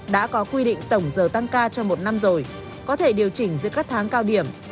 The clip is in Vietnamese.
đã có quy định tổng giờ tăng ca trong một năm rồi có thể điều chỉnh giữa các tháng cao điểm